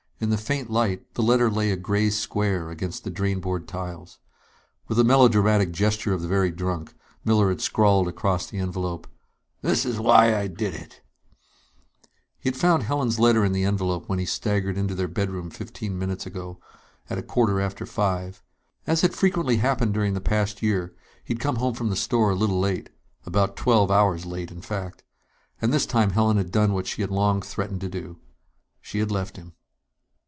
In the faint light, the letter lay a gray square against the drain board tiles. With the melodramatic gesture of the very drunk, Miller had scrawled across the envelope: "This is why I did it!" [Illustration: Dave Miller pushed with all his strength, but the girl was as unmovable as Gibraltar.] He had found Helen's letter in the envelope when he staggered into their bedroom fifteen minutes ago at a quarter after five. As had frequently happened during the past year, he'd come home from the store a little late ... about twelve hours late, in fact. And this time Helen had done what she had long threatened to do. She had left him.